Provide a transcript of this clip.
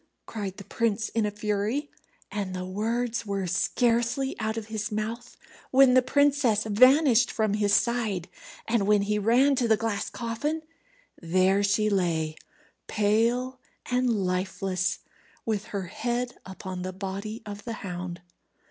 cried the prince, in a fury; and the words were scarcely out of his mouth when the princess vanished from his side, and when he ran to the glass coffin, there she lay, pale and lifeless, with her head upon the body of the hound.